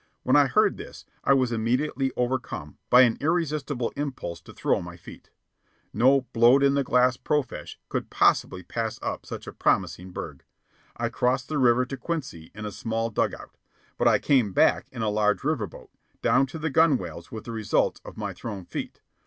When I heard this, I was immediately overcome by an irresistible impulse to throw my feet. No "blowed in the glass profesh" could possibly pass up such a promising burg. I crossed the river to Quincy in a small dug out; but I came back in a large riverboat, down to the gunwales with the results of my thrown feet.